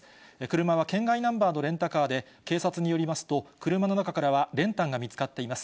車は県外ナンバーのレンタカーで、警察によりますと、車の中からは練炭が見つかっています。